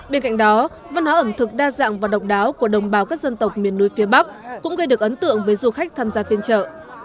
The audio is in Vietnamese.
bên cạnh đó văn hóa ẩm thực đa dạng và độc đáo của đồng bào các dân tộc miền núi phía bắc cũng gây được ấn tượng với du khách tham gia phiên chợ